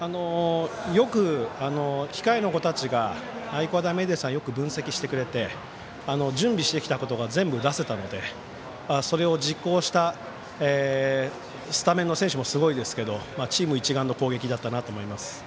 よく控えの子たちが愛工大名電さんよく分析してくれて準備してきたことが全部出せたのでそれを実行したスタメンの選手もすごいですけどチーム一丸の攻撃だったなと思います。